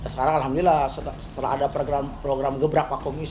sekarang alhamdulillah setelah ada program gebrak vakumis